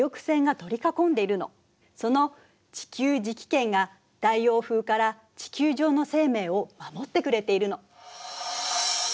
その地球磁気圏が太陽風から地球上の生命を守ってくれているの。